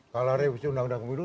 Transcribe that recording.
kalau revisi undang undang pemilu